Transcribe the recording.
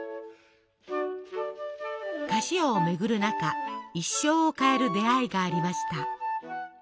菓子屋を巡る中一生を変える出会いがありました。